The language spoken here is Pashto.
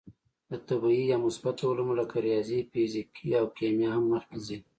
د طبعي یا مثبته علومو لکه ریاضي، فیزیک او کیمیا هم مخکې ځي.